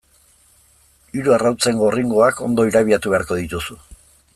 Hiru arrautzen gorringoak ondo irabiatu beharko dituzu.